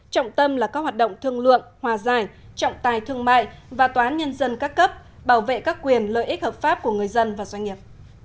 trọng tâm là các hoạt động thương lượng hòa giải trọng tài thương mại và tòa án nhân dân các cấp bảo vệ các quyền lợi ích hợp pháp của người dân và doanh nghiệp